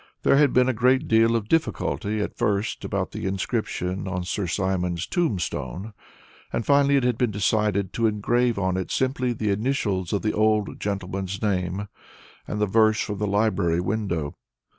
There had been a great deal of difficulty at first about the inscription on Sir Simon's tombstone, but finally it had been decided to engrave on it simply the initials of the old gentleman's name, and the verse from the library window.